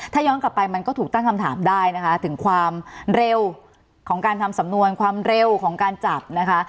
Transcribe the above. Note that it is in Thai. ถ้าย้อนกลับไปมันก็ถูกตั้งคำถามได้นะคะถึงความเร็วของการทำสำนวนความเร็วของการจับนะคะ